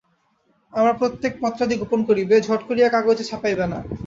আমার প্রত্যেক পত্রাদি গোপন করিবে, ঝট করিয়া কাগজে ছাপাইবে না।